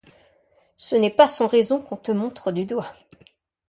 Ce n'est pas sans raison qu'on te montre du doigt